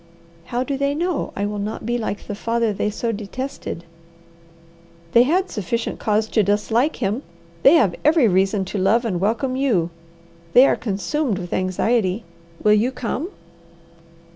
"How do they know I will not be like the father they so detested?" "They had sufficient cause to dislike him. They have every reason to love and welcome you. They are consumed with anxiety. Will you come?"